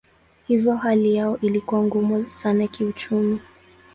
Hivyo hali yao ilikuwa ngumu sana kiuchumi.